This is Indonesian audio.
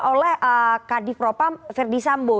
oleh kadifropa ferdisambo